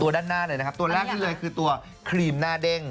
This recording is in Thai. ด้านหน้าเลยนะครับตัวแรกนี่เลยคือตัวครีมหน้าเด้ง